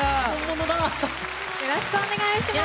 よろしくお願いします！